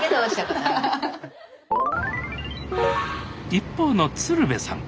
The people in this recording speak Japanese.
一方の鶴瓶さん。